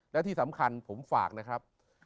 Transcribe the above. และที่สำคัญผมฝากนะครับ